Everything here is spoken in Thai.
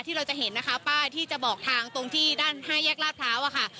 เราจะเห็นนะคะป้ายที่จะบอกทางตรงที่ด้าน๕แยกลาดพร้าวอะค่ะ